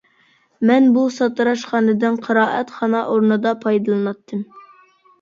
مەن بۇ ساتىراشخانىدىن قىرائەتخانا ئورنىدا پايدىلىناتتىم.